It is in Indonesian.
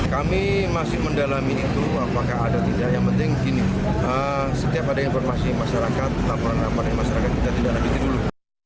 kami masih mendalami itu apakah ada tidak yang penting gini setiap ada informasi masyarakat laporan laporan masyarakat kita tidak dapatin dulu